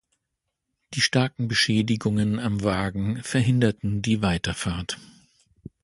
Die starken Beschädigungen am Wagen verhinderten die Weiterfahrt.